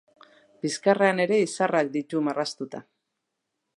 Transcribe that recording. Bizkarrean ere izarrak ditu marraztuta.